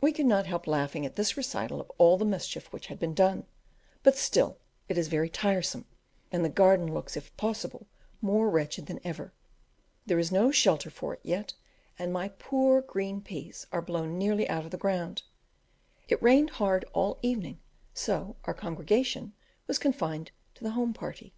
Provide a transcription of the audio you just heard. We could not help laughing at the recital of all the mischief which had been done, but still it is very tiresome, and the garden looks, if possible, more wretched than ever. There is no shelter for it yet, and my poor green peas are blown nearly out of the ground. It rained hard all the evening, so our congregation was confined to the home party.